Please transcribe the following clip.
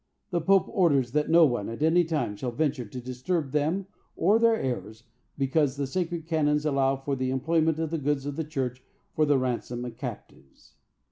The Pope orders that no one, at any time, shall venture to disturb them or their heirs, because the sacred canons allow the employment of the goods of the church for the ransom of captives.